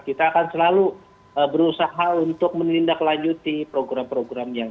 kita akan selalu berusaha untuk menindaklanjuti program program yang